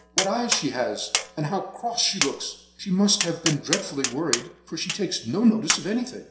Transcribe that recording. What eyes she has, and how cross she looks. She must have been dreadfully worried, for she takes no notice of anything."